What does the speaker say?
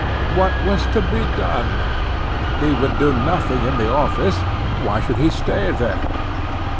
What was to be done? He would do nothing in the office: why should he stay there?